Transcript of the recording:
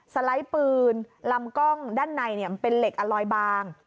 สไลด์ปืนลำกล้องด้านในมันเป็นเหล็กอลอยบาง